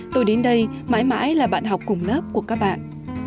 tôi đến đây mãi mãi là bạn học cùng lớp của các bạn